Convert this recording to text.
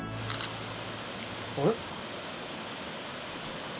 あれ？